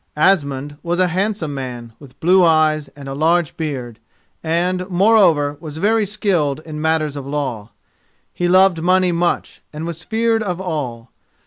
Asmund was a handsome man, with blue eyes and a large beard, and, moreover, was very skilled in matters of law. He loved money much, and was feared of all.